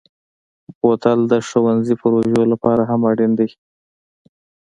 بوتل د ښوونځي پروژو لپاره هم اړین دی.